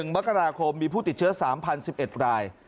๑มกราคมมีผู้ติดเชื้อ๓๐๑๑ราย